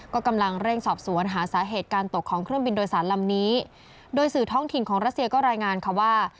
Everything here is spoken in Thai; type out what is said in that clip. ก็กำลังเร่งสอบสวนหาสาเหตุการตกของเครื่องบินโดยสารลำนี้โดยสื่อท้องถิ่นของรัสเซียก็รายงานค่ะว่า